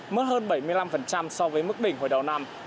mất hơn bảy mươi năm so với mức đỉnh hồi đầu năm